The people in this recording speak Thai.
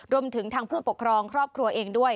รวมถึงทางผู้ปกครองครอบครัวเองด้วย